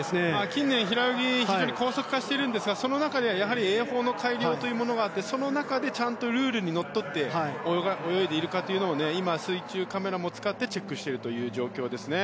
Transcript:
近年、平泳ぎ非常に高速化しているんですがその中でやはり泳法の改良というのがあってその中で、ちゃんとルールにのっとって泳いでいるか今、水中カメラも使ってチェックしているという状況ですね。